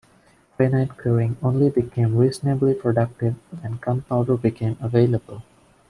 Granite quarrying only became reasonably productive when gunpowder became available.